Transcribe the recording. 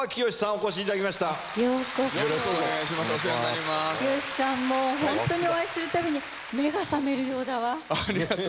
きよしさんもホントにお会いするたびに目が覚めるようだわ。